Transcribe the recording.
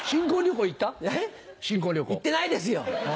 行ってないですよ。